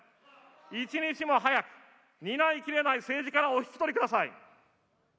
一日も早く担いきれない政治からお引き取りください。